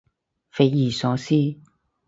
匪夷所思